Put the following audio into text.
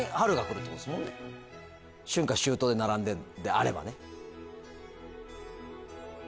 春夏秋冬で並んでるのであればね。